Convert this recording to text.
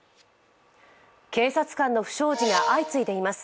警察官の不祥事が相次いでいます。